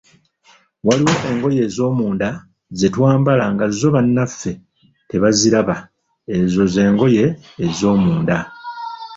Waliwo engoye ez'omunda ze twambala nga zo bannaffe tebaziraba, ezo z'engoye ez'omunda.